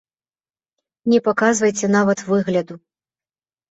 Не паказвайце нават выгляду.